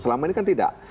selama ini kan tidak